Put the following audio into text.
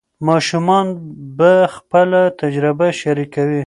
ماشومان به خپله تجربه شریکوي.